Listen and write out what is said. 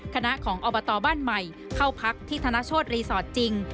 คณะของอบตบ้านใหม่เข้าพักที่ธนโชธรีสอร์ทจริง